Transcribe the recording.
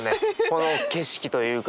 この景色というか。